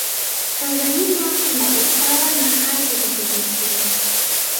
tanzania kuna usawa na haki za kijinsia